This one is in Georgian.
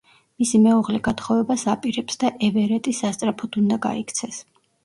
მისი მეუღლე გათხოვებას აპირებს და ევერეტი სასწრაფოდ უნდა გაიქცეს.